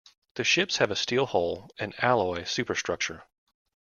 The ships have a steel hull and alloy superstructure.